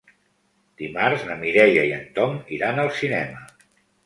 Dimarts na Mireia i en Tom iran al cinema.